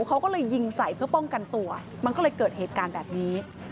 เขาก็เลยยิงใส่เพื่อป้องกันตัวมันก็เลยเกิดเหตุการณ์แบบนี้